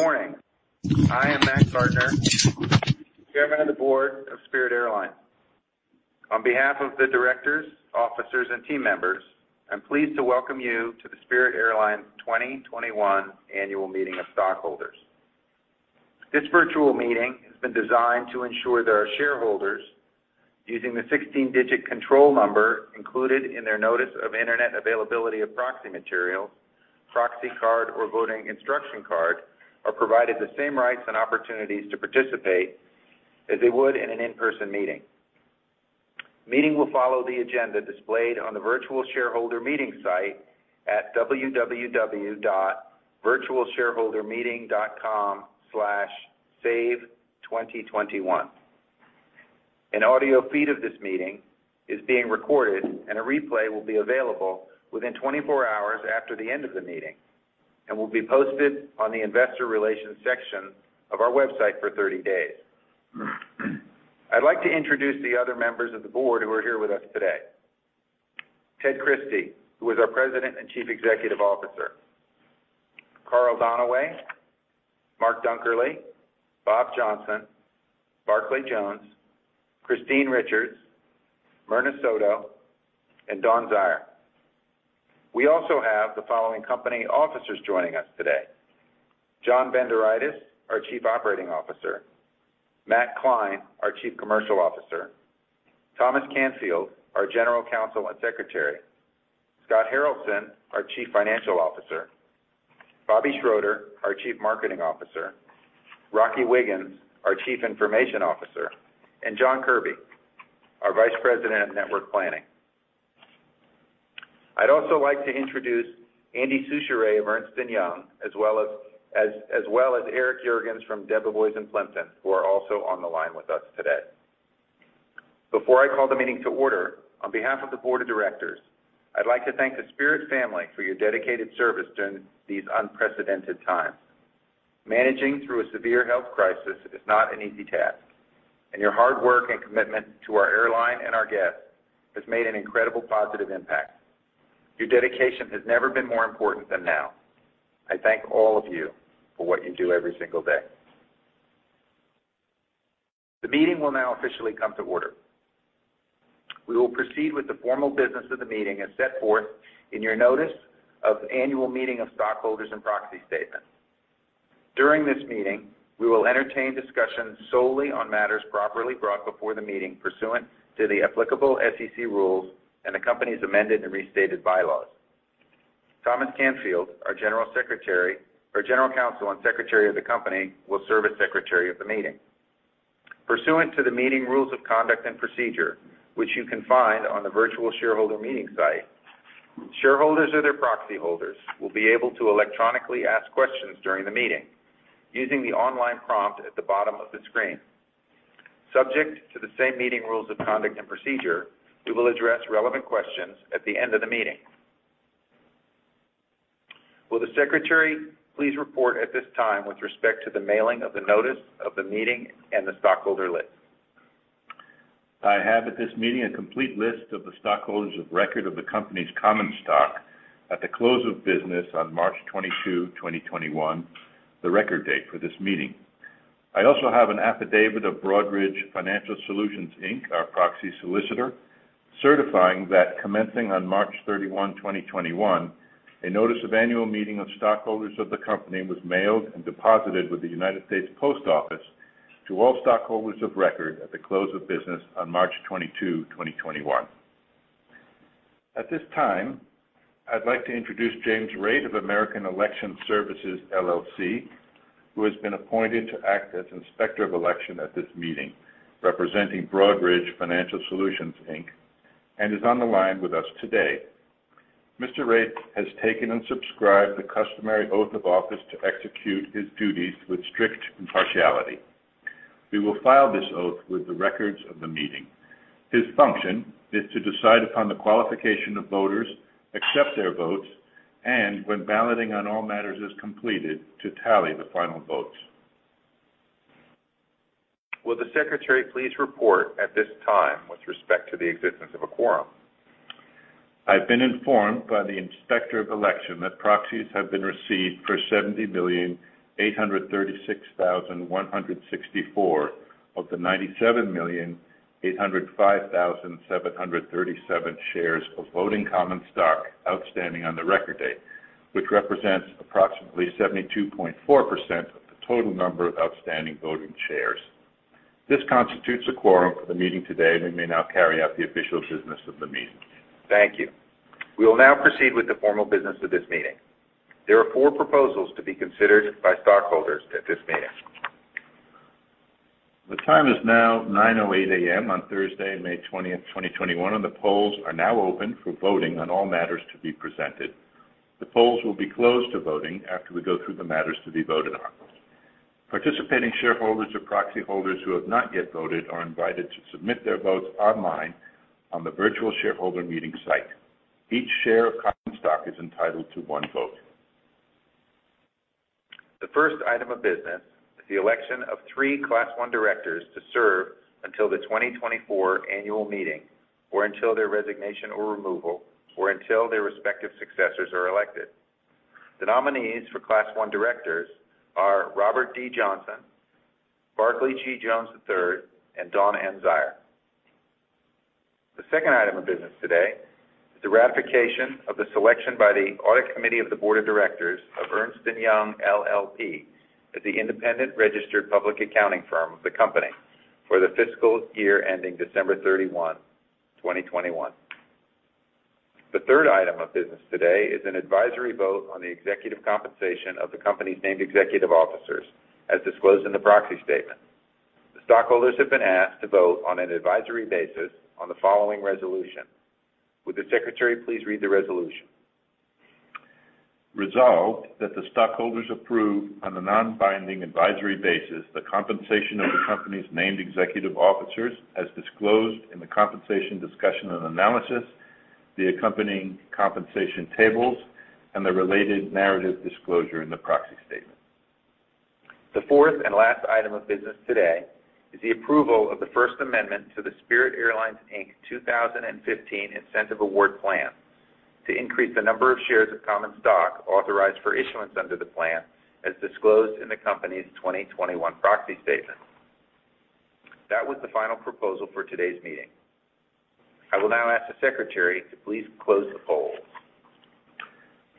Good morning. I am Mac Gardner, Chairman of the Board of Spirit Airlines. On behalf of the directors, officers, and team members, I'm pleased to welcome you to the Spirit Airlines 2021 Annual Meeting of Stockholders. This virtual meeting has been designed to ensure that our shareholders, using the 16-digit control number included in their notice of internet availability of proxy material, proxy card, or voting instruction card, are provided the same rights and opportunities to participate as they would in an in-person meeting. The meeting will follow the agenda displayed on the virtual shareholder meeting site at www.virtualshareholdermeeting.com/save2021. An audio feed of this meeting is being recorded, and a replay will be available within 24 hours after the end of the meeting and will be posted on the investor relations section of our website for 30 days. I'd like to introduce the other members of the Board who are here with us today. Ted Christie, who is our President and Chief Executive Officer, Carl Donaway, Mark Dunkerley, Bob Johnson, Barclay Jones, Christine Richards, Myrna Soto, and Dawn Zier. We also have the following company officers joining us today: John Bendoraitis, our Chief Operating Officer, Matt Klein, our Chief Commercial Officer, Thomas Canfield, our General Counsel and Secretary, Scott Haralson, our Chief Financial Officer, Bobby Schroeter, our Chief Marketing Officer, Rocky Wiggins, our Chief Information Officer, and John Kirby, our Vice President of Network Planning. I'd also like to introduce Andy Soucheray and Ernst & Young as well as Eric Juergens from Debevoise & Plimpton, who are also on the line with us today. Before I call the meeting to order, on behalf of the Board of Directors, I'd like to thank the Spirit family for your dedicated service during these unprecedented times. Managing through a severe health crisis is not an easy task, and your hard work and commitment to our airline and our guests has made an incredible positive impact. Your dedication has never been more important than now. I thank all of you for what you do every single day. The meeting will now officially come to order. We will proceed with the formal business of the meeting as set forth in your notice of annual meeting of stockholders and proxy statement. During this meeting, we will entertain discussions solely on matters properly brought before the meeting pursuant to the applicable SEC rules and the company's amended and restated bylaws. Thomas Canfield, our General Counsel and Secretary of the company, will serve as Secretary of the meeting. Pursuant to the meeting rules of conduct and procedure, which you can find on the virtual shareholder meeting site, shareholders or their proxy holders will be able to electronically ask questions during the meeting using the online prompt at the bottom of the screen. Subject to the same meeting rules of conduct and procedure, we will address relevant questions at the end of the meeting. Will the Secretary please report at this time with respect to the mailing of the notice of the meeting and the stockholder list? I have at this meeting a complete list of the stockholders of record of the company's common stock at the close of business on March 22, 2021, the record date for this meeting. I also have an affidavit of Broadridge Financial Solutions, Inc, our Proxy Solicitor, certifying that commencing on March 31, 2021, a notice of annual meeting of stockholders of the company was mailed and deposited with the United States Post Office to all stockholders of record at the close of business on March 22, 2021. At this time, I'd like to introduce Jim Raitt of American Election Services, LLC, who has been appointed to act as Inspector of Election at this meeting, representing Broadridge Financial Solutions, Inc., and is on the line with us today. Mr. Raitt has taken and subscribed the customary oath of office to execute his duties with strict impartiality. We will file this oath with the records of the meeting. His function is to decide upon the qualification of voters, accept their votes, and when balloting on all matters is completed, to tally the final votes. Will the Secretary please report at this time with respect to the existence of a quorum? I've been informed by the Inspector of Election that proxies have been received for 70,836,164 of the 97,805,737 shares of voting common stock outstanding on the record date, which represents approximately 72.4% of the total number of outstanding voting shares. This constitutes a quorum for the meeting today, and we may now carry out the official business of the meeting. Thank you. We will now proceed with the formal business of this meeting. There are four proposals to be considered by stockholders at this meeting. The time is now 9:08 A.M. on Thursday, May 20th, 2021, and the polls are now open for voting on all matters to be presented. The polls will be closed to voting after we go through the matters to be voted on. Participating shareholders or proxy holders who have not yet voted are invited to submit their votes online on the virtual shareholder meeting site. Each share of common stock is entitled to one vote. The first item of business is the election of three Class I directors to serve until the 2024 annual meeting or until their resignation or removal, or until their respective successors are elected. The nominees for Class I directors are Robert D. Johnson, Barclay G. Jones III, and Dawn M. Zier. The second item of business today is the ratification of the selection by the Audit Committee of the Board of Directors of Ernst & Young LLP as the independent registered public accounting firm of the company for the fiscal year ending December 31, 2021. The third item of business today is an advisory vote on the executive compensation of the company's named executive officers as disclosed in the proxy statement. The stockholders have been asked to vote on an advisory basis on the following resolution. Would the secretary please read the resolution? Resolved that the stockholders approve, on a non-binding advisory basis, the compensation of the company's named executive officers as disclosed in the compensation discussion and analysis, the accompanying compensation tables, and the related narrative disclosure in the proxy statement. The fourth and last item of business today is the approval of the First Amendment to the Spirit Airlines, Inc. 2015 Incentive Award Plan to increase the number of shares of common stock authorized for issuance under the plan as disclosed in the company's 2021 proxy statement. That was the final proposal for today's meeting. I will now ask the secretary to please close the polls.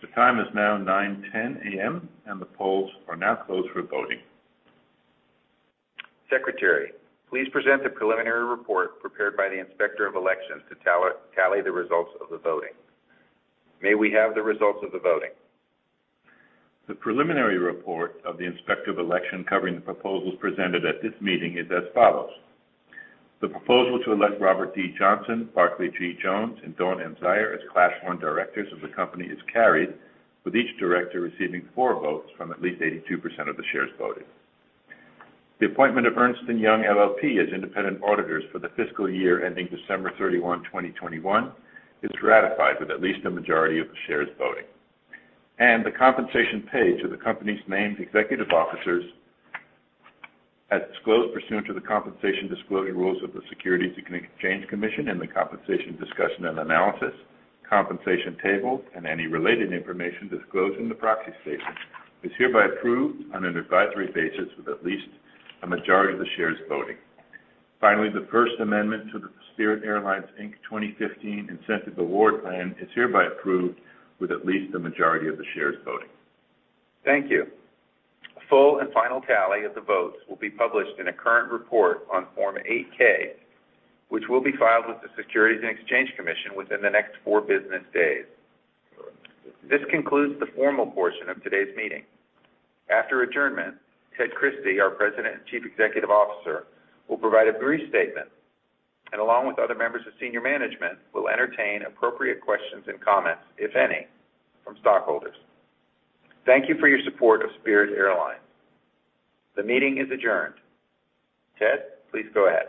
The time is now 9:10 A.M. and the polls are now closed for voting. Secretary, please present the preliminary report prepared by the Inspector of Elections to tally the results of the voting. May we have the results of the voting? The preliminary report of the Inspector of Election covering the proposals presented at this meeting is as follows. The proposal to elect Robert D. Johnson, Barclay G. Jones, and Dawn M. Zier as Class I directors of the company is carried, with each director receiving four votes from at least 82% of the shares voting. The appointment of Ernst & Young LLP as independent auditors for the fiscal year ending December 31, 2021 is ratified with at least a majority of the shares voting. The compensation paid to the company's named executive officers as disclosed pursuant to the compensation disclosure rules of the Securities and Exchange Commission in the compensation discussion and analysis, compensation table, and any related information disclosed in the proxy statement is hereby approved on an advisory basis with at least a majority of the shares voting. Finally, the First Amendment to the Spirit Airlines, Inc. 2015 Incentive Award Plan is hereby approved with at least a majority of the shares voting. Thank you. A full and final tally of the votes will be published in a current report on Form 8-K, which will be filed with the Securities and Exchange Commission within the next four business days. This concludes the formal portion of today's meeting. After adjournment, Ted Christie, our President and Chief Executive Officer, will provide a brief statement and, along with other members of senior management, will entertain appropriate questions and comments, if any, from stockholders. Thank you for your support of Spirit Airlines. The meeting is adjourned. Ted, please go ahead.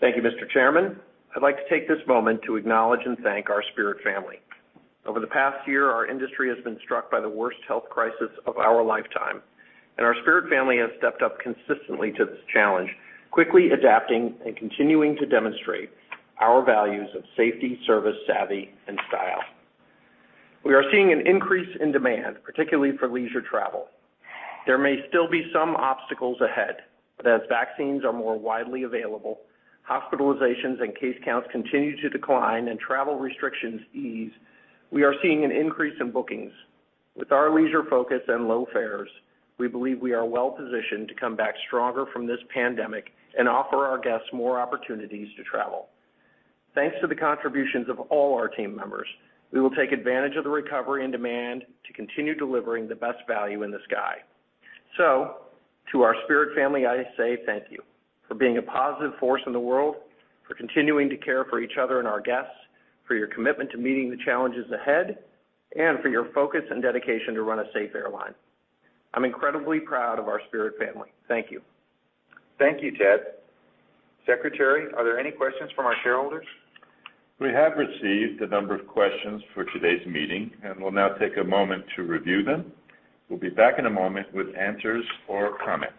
Thank you, Mr. Chairman. I'd like to take this moment to acknowledge and thank our Spirit family. Over the past year, our industry has been struck by the worst health crisis of our lifetime, and our Spirit family has stepped up consistently to this challenge, quickly adapting and continuing to demonstrate our values of safety, service, savvy, and style. We are seeing an increase in demand, particularly for leisure travel. There may still be some obstacles ahead. As vaccines are more widely available, hospitalizations and case counts continue to decline, and travel restrictions ease, we are seeing an increase in bookings. With our leisure focus and low fares, we believe we are well-positioned to come back stronger from this pandemic and offer our guests more opportunities to travel. Thanks to the contributions of all our team members, we will take advantage of the recovery and demand to continue delivering the best value in the sky. To our Spirit family, I say thank you for being a positive force in the world, for continuing to care for each other and our guests, for your commitment to meeting the challenges ahead, and for your focus and dedication to run a safe airline. I'm incredibly proud of our Spirit family. Thank you. Thank you, Ted. Secretary, are there any questions from our shareholders? We have received a number of questions for today's meeting and will now take a moment to review them. We'll be back in a moment with answers or comments.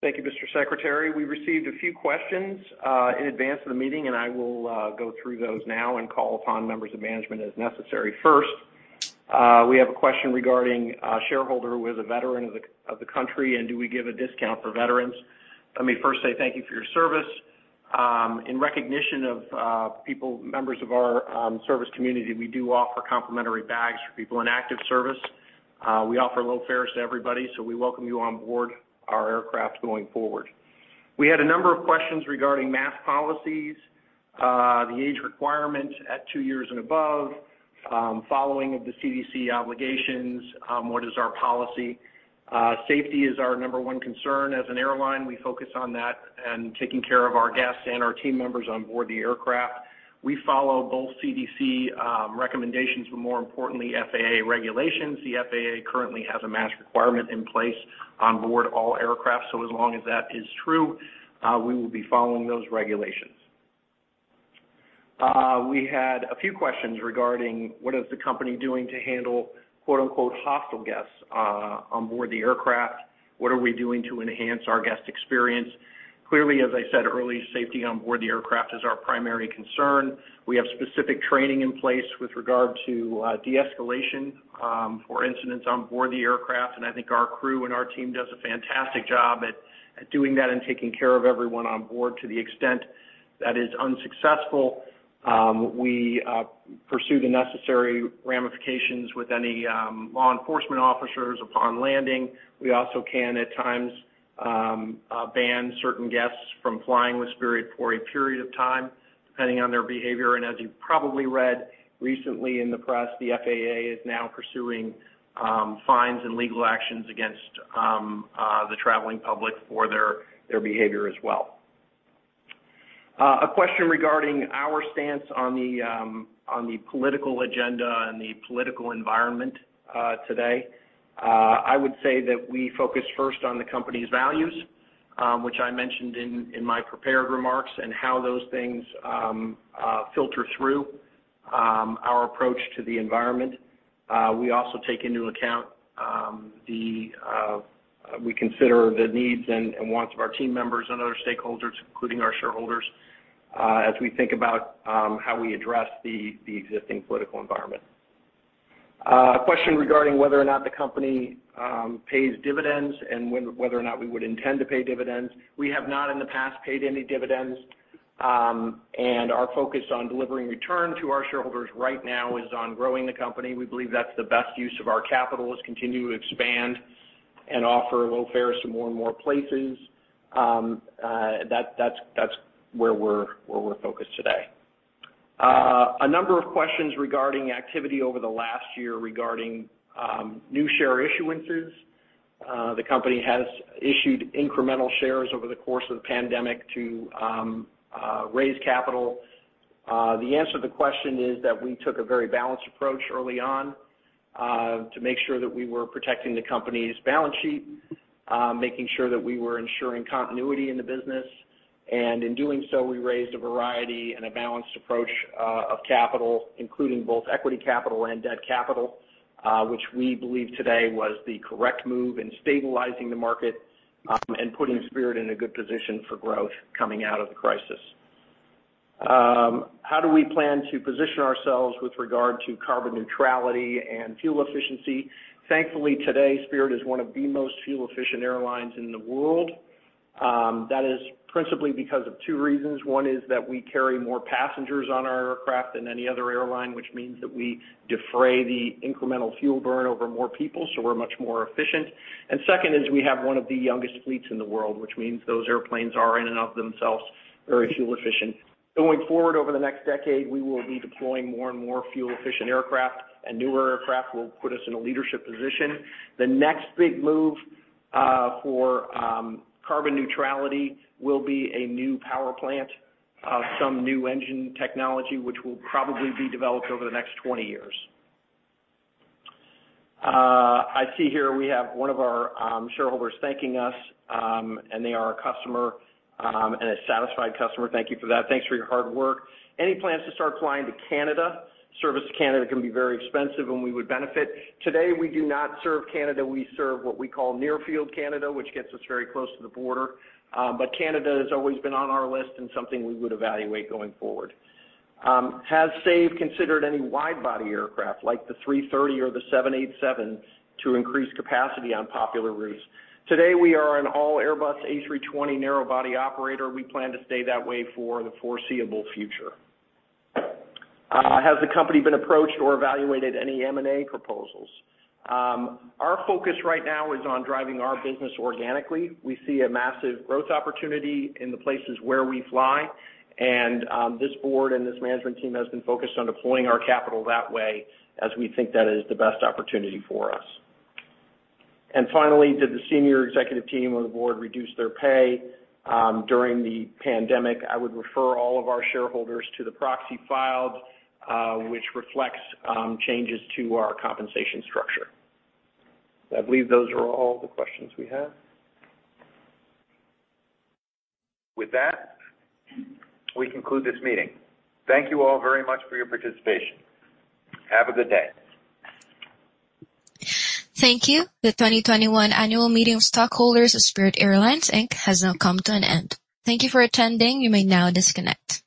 Thank you, Mr. Secretary. We received a few questions in advance of the meeting. I will go through those now and call upon members of management as necessary. First, we have a question regarding a shareholder who is a veteran of the country and do we give a discount for veterans. Let me first say thank you for your service. In recognition of members of our service community, we do offer complimentary bags for people in active service. We offer low fares to everybody. We welcome you on board our aircraft going forward. We had a number of questions regarding mask policies, the age requirements at two years and above. Following the CDC guidelines, what is our policy? Safety is our number one concern as an airline. We focus on that and taking care of our guests and our team members on board the aircraft. We follow both CDC recommendations, but more importantly, FAA regulations. The FAA currently has a mask requirement in place on board all aircraft, so as long as that is true, we will be following those regulations. We had a few questions regarding what is the company doing to handle, quote-unquote, "hostile guests" on board the aircraft. What are we doing to enhance our guest experience? Clearly, as I said earlier, safety on board the aircraft is our primary concern. We have specific training in place with regard to de-escalation for incidents on board the aircraft, and I think our crew and our team does a fantastic job at doing that and taking care of everyone on board. To the extent that is unsuccessful, we pursue the necessary ramifications with any law enforcement officers upon landing. We also can, at times, ban certain guests from flying with Spirit for a period of time, depending on their behavior. As you probably read recently in the press, the FAA is now pursuing fines and legal actions against the traveling public for their behavior as well. A question regarding our stance on the political agenda and the political environment today. I would say that we focus first on the company's values, which I mentioned in my prepared remarks, and how those things filter through our approach to the environment. We consider the needs and wants of our team members and other stakeholders, including our shareholders, as we think about how we address the existing political environment. A question regarding whether or not the company pays dividends and whether or not we would intend to pay dividends. We have not in the past paid any dividends, and our focus on delivering returns to our shareholders right now is on growing the company. We believe that's the best use of our capital is continuing to expand and offer low fares to more and more places. That's where we're focused today. A number of questions regarding activity over the last year regarding new share issuances. The company has issued incremental shares over the course of the pandemic to raise capital. The answer to the question is that we took a very balanced approach early on to make sure that we were protecting the company's balance sheet, making sure that we were ensuring continuity in the business. In doing so, we raised a variety and a balanced approach of capital, including both equity capital and debt capital, which we believe today was the correct move in stabilizing the market and putting Spirit in a good position for growth coming out of the crisis. How do we plan to position ourselves with regard to carbon neutrality and fuel efficiency? Thankfully, today, Spirit is one of the most fuel-efficient airlines in the world. That is principally because of two reasons. One is that we carry more passengers on our aircraft than any other airline, which means that we defray the incremental fuel burn over more people, so we're much more efficient. Second is we have one of the youngest fleets in the world, which means those airplanes are in and of themselves very fuel efficient. Going forward over the next decade, we will be deploying more and more fuel-efficient aircraft, and newer aircraft will put us in a leadership position. The next big move for carbon neutrality will be a new power plant, some new engine technology which will probably be developed over the next 20 years. I see here we have one of our shareholders thanking us, and they are a customer and a satisfied customer. Thank you for that. Thanks for your hard work. Any plans to start flying to Canada? Service to Canada can be very expensive, and we would benefit. Today, we do not serve Canada. We serve what we call near field Canada, which gets us very close to the border. Canada has always been on our list and something we would evaluate going forward. Has Spirit considered any wide-body aircraft like the A330 or the 787 to increase capacity on popular routes? Today, we are an all-Airbus A320 narrow-body operator. We plan to stay that way for the foreseeable future. Has the company been approached or evaluated any M&A proposals? Our focus right now is on driving our business organically. We see a massive growth opportunity in the places where we fly, this board and this management team has been focused on deploying our capital that way as we think that is the best opportunity for us. Finally, did the senior executive team and the board reduce their pay during the pandemic? I would refer all of our shareholders to the proxy files, which reflects changes to our compensation structure. I believe those are all the questions we have. With that, we conclude this meeting. Thank you all very much for your participation. Have a good day. Thank you. The 2021 annual meeting of stockholders of Spirit Airlines, Inc. has now come to an end. Thank you for attending. You may now disconnect.